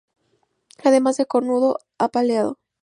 Además de cornudo, apaleado